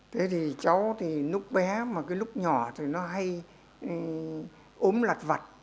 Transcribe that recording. thế thì cháu thì lúc bé mà cái lúc nhỏ thì nó hay ốm lặt vặt